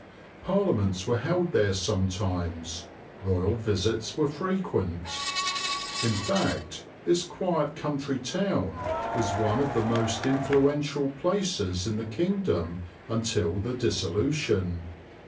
Parliaments were held there sometimes; royal visits were frequent. In fact, this quiet country town was one of the most influential places in the kingdom until the Dissolution.